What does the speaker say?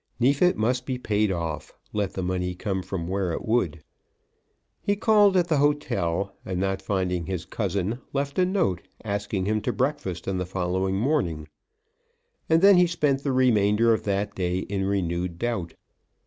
Neefit must be paid off, let the money come from where it would. He called at the hotel, and not finding his cousin, left a note asking him to breakfast on the following morning; and then he spent the remainder of that day in renewed doubt.